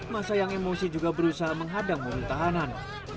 masa yang emosi juga berusaha menghadang mobil tahanan